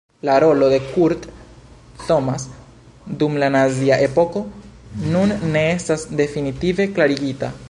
La rolo de Kurt Thomas dum la nazia epoko nun ne estas definitive klarigita.